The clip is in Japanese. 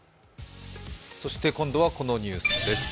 今度はこのニュースです。